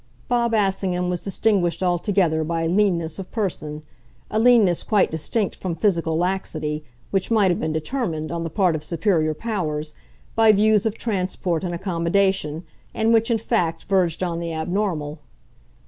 Bob Assingham was distinguished altogether by a leanness of person, a leanness quite distinct from physical laxity, which might have been determined, on the part of superior powers, by views of transport and accommodation, and which in fact verged on the abnormal.